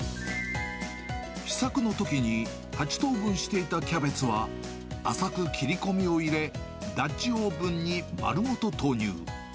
試作のときに８等分していたキャベツは、浅く切り込みを入れ、ダッチオーブンに丸ごと投入。